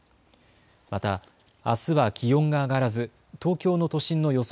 また、あすは気温が上がらず東京の都心の予想